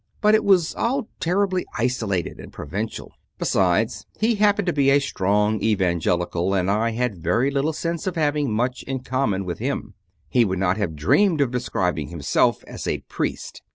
But it was all terribly isolated and provincial. Besides, he happened to be a strong Evangelical, and I had very little sense of having much in com mon with him. He would not have dreamed of describing himself as a "priest."